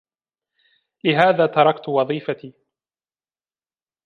لهذا تركت وظيفتي.